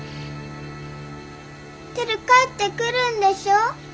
テル帰ってくるんでしょ？